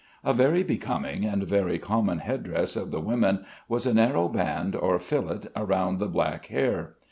A very becoming and very common head dress of the women was a narrow band or fillet round the black hair.